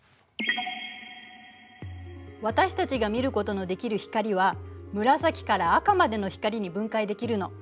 私たちが見ることのできる光は紫から赤までの光に分解できるの。